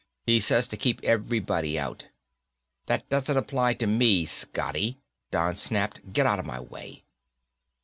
He says to keep everybody out." "That doesn't apply to me, Scotty," Don snapped. "Get out of my way."